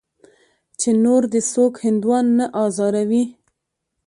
چې نور دې څوک هندوان نه ازاروي.